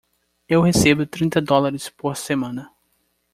Eu recebo trinta dólares por semana.